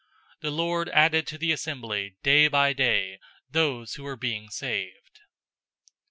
The Lord added to the assembly day by day those who were being saved.